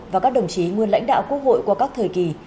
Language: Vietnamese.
và các đồng chí nguyên lãnh đạo quốc hội qua các thời kỳ